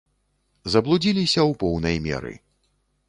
Заблудзіліся ў поўнай меры.